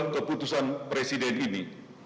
keputusan presiden ini